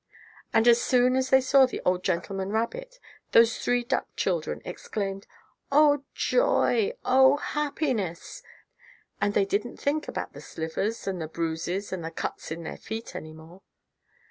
And as soon as they saw the old gentleman rabbit, those three duck children exclaimed: "Oh, joy! Oh, happiness!" and they didn't think about the slivers and the bruises and the cuts in their feet any more.